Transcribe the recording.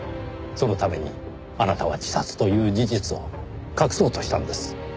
そのためにあなたは自殺という事実を隠そうとしたんです。